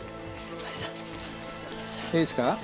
いいですか？